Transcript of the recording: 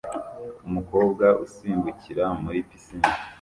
Umukobwa usimbukira muri pisine